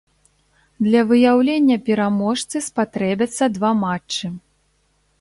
Для выяўлення пераможцы спатрэбяцца два матчы.